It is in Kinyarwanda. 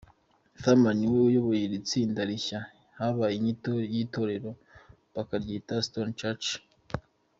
Fireman niwe uyoboye iri tsinda rishya bahaye inyito y'itorero bakaryira "Stone Church".